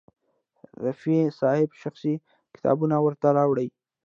رفیع صاحب شخصي کتابونه ورته راوړي ول.